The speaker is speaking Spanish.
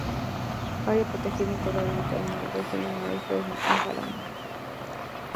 Área protegida integral ubicada en la región nordeste del de Maranhão.